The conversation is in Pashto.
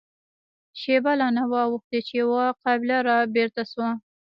شېبه لا نه وه اوښتې چې يوه قابله را بېرته شوه.